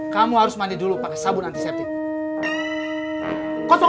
kamu harus mandi dulu pakai sabun antiseptik